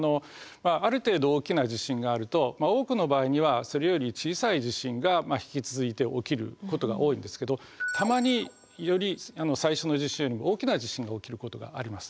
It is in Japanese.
ある程度大きな地震があると多くの場合にはそれより小さい地震が引き続いて起きることが多いんですけどたまにより最初の地震よりも大きな地震が起きることがあります。